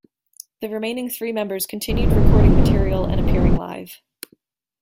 The remaining three members continued recording material and appearing live.